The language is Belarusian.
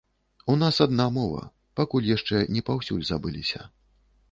У нас адна мова, пакуль яшчэ не паўсюль забыліся.